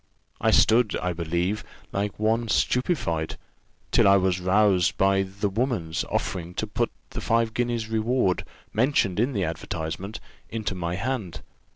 I stood, I believe, like one stupified, till I was roused by the woman's offering to put the five guineas reward, mentioned in the advertisement, into my hand.